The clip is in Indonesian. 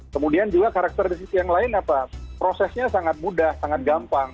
kemudian juga karakteristik yang lain apa prosesnya sangat mudah sangat gampang